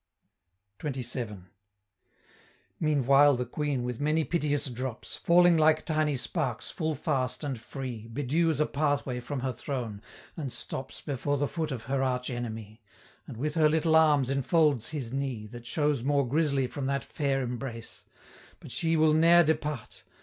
XXVII. Meanwhile the Queen with many piteous drops, Falling like tiny sparks full fast and free, Bedews a pathway from her throne; and stops Before the foot of her arch enemy, And with her little arms enfolds his knee, That shows more grisly from that fair embrace; But she will ne'er depart.